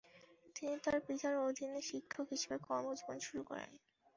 তিনি তার পিতার অধীনে শিক্ষক হিসেবে কর্মজীবন শুরু করেন।